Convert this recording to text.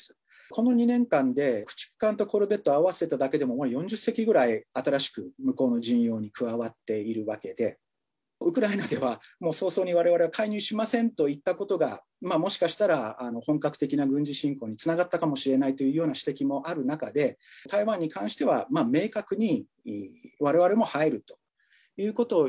この２年間で駆逐艦とコルベット合わせただけでも、もう４０隻ぐらい新しく、向こうの陣容に加わっているわけで、ウクライナでは、もう早々にわれわれは介入しませんといったことが、もしかしたら本格的な軍事侵攻につながったかもしれないというような指摘もある中で、台湾に関しては、明確にわれわれも入るということを、